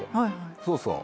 そうそう。